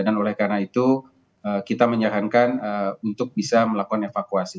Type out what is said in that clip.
dan oleh karena itu kita menyarankan untuk bisa melaksanakan